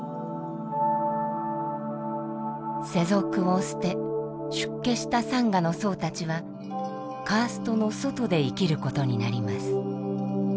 世俗を捨て出家したサンガの僧たちはカーストの外で生きることになります。